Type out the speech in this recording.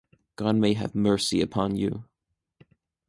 God may have mercy upon you.